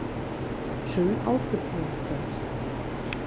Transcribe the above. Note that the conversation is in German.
Schön aufgeplustert.